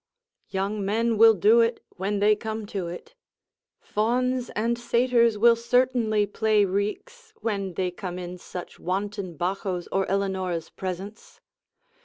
Young men will do it when they come to it. Fauns and satyrs will certainly play reaks, when they come in such wanton Baccho's or Elenora's presence.